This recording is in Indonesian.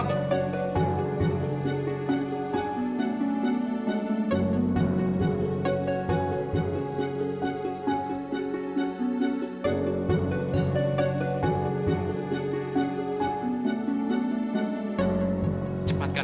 pokoknya si siapa més